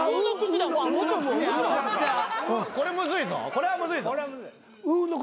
これはむずいぞ。